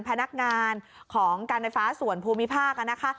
พนักงานของการไฟฟ้าส่วนภูมิภาคนะคะ